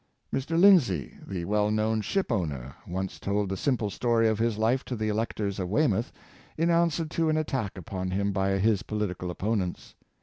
Mr. Lindsay, the well known ship owner, once told the simple story of his life to the electors of Weymouth, in answer to an attack upon him by his political opponents.